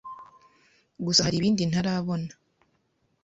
gusa hari ibindi ntarabona